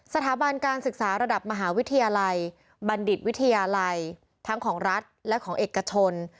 สถาบันการศึกษาระดับมหาวิทยาลัยบัณฑิตวิทยาลัยทั้งของรัฐและของเอกชน